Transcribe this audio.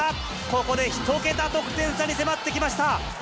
ここで１桁得点差に迫ってきまし